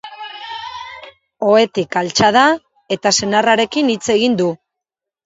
Ohetik altxa da, eta senarrarekin hitz egin du.